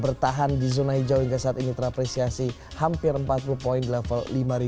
bertahan di zona hijau hingga saat ini terapresiasi hampir empat puluh point di level lima lima ratus lima puluh lima